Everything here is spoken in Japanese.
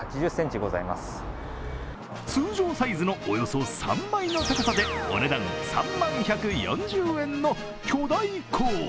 通常サイズのおよそ３倍の高さでお値段３万１４０円の巨大コーン。